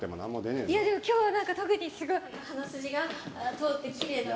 いやいや今日はなんか特に鼻筋が通ってきれいだなと。